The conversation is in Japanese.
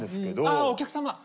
ああお客様。